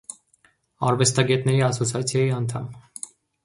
Արվեստագետների ասոցիացիայի անդամ։